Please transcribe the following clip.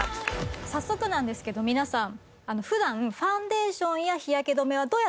早速なんですけど皆さん。